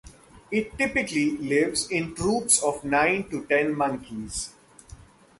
It typically lives in troops of nine to ten monkeys.